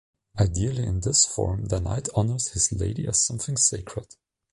Ideally, in this form, the knight honors his lady as something sacred.